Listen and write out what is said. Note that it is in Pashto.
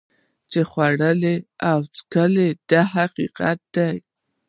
چې وخوري او وڅکي دا حقیقت دی.